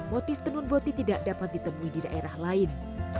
motif tenun boti tidak dapat ditemui di daerah lain